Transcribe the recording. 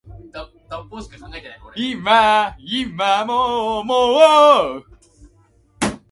If I drink, I drink properly for long stretches of time.